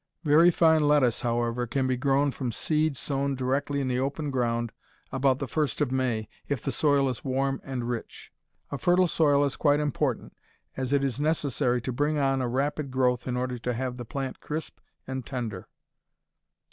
Very fine lettuce, however, can be grown from seed sown directly in the open ground about the first of May, if the soil is warm and rich. A fertile soil is quite important, as it is necessary to bring on a rapid growth in order to have the plant crisp and tender.